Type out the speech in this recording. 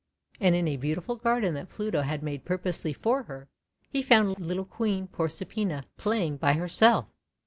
And in a beautiful garden that Pluto had made purposely for her, he found little Queen Proserpina playing by herself.